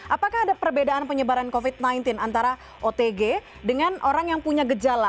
apakah ada perbedaan penyebaran covid sembilan belas antara otg dengan orang yang punya gejala